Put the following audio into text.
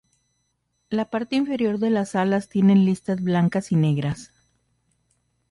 La parte inferior de las alas tienen listas blancas y negras.